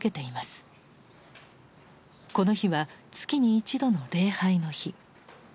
この日は月に一度の礼拝の日。